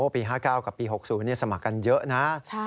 ปี๕๙กับปี๖๐สมัครกันเยอะนะ